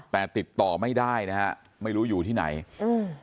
แต่ติดต่อไม่ได้นะฮะไม่รู้อยู่ที่ไหนอืม